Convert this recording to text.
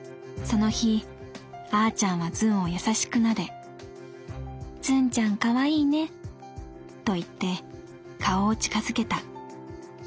「その日あーちゃんはズンを優しく撫で『ズンちゃんかわいいね。』と言って顔を近づけた。